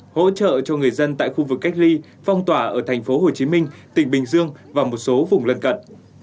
hỗ trợ cho người dân tại khu vực cách ly phong tỏa ở thành phố hồ chí minh tỉnh bình dương và một số vùng lân cận